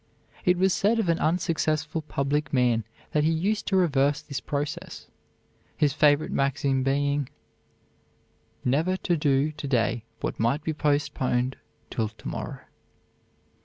It was said of an unsuccessful public man that he used to reverse this process, his favorite maxim being "never to do to day what might be postponed till to morrow."